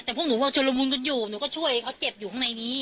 แต่พวกหนูก็ชุดละมุนกันอยู่หนูก็ช่วยเขาเจ็บอยู่ข้างในนี้